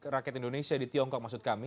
rakyat indonesia di tiongkok maksud kami